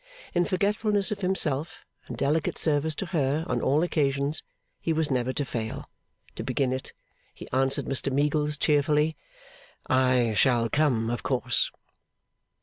In forgetfulness of himself, and delicate service to her on all occasions, he was never to fail; to begin it, he answered Mr Meagles cheerfully, 'I shall come, of course.